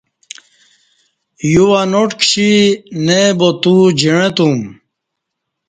یُوہ ناٹ کشی نےبا تو جعں توم